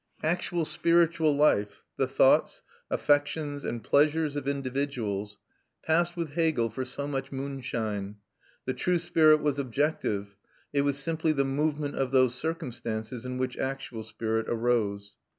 Actual spiritual life, the thoughts, affections, and pleasures of individuals, passed with Hegel for so much moonshine; the true spirit was "objective," it was simply the movement of those circumstances in which actual spirit arose.